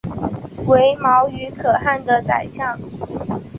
为牟羽可汗的宰相。